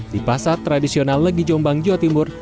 di pasar tradisional legi jombang jawa timur